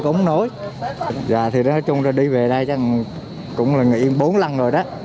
không nổi dạ thì nói chung ra đi về đây chắc cũng là nghỉ bốn lần rồi đó